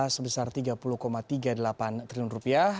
sebesar tiga puluh tiga puluh delapan triliun rupiah